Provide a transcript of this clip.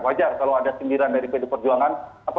wajar kalau ada cendiran dari perjuangan